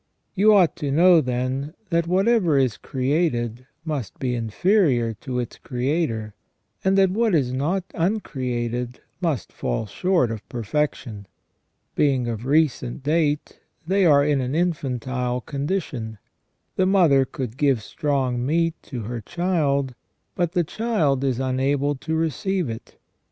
You ought to know, then, that whatever is created must be inferior to its Creator, and that what is not uncreated must fall short of perfection. Being of recent date, they are in an infantile condition. The mother could give strong meat to her child, but the child is unable to receive it.